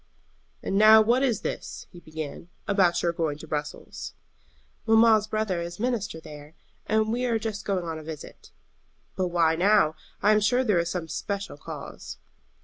"And now what is this," he began, "about your going to Brussels?" "Mamma's brother is minister there, and we are just going on a visit." "But why now? I am sure there is some especial cause."